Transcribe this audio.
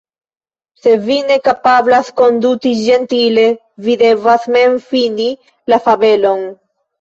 Se vi ne kapablas konduti ĝentile, vi devas mem fini la fabelon."